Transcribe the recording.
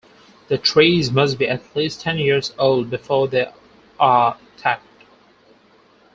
The trees must be at least ten years old before they are tapped.